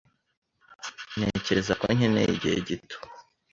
Ntekereza ko nkeneye igihe gito.